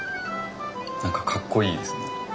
何かかっこいいですよね。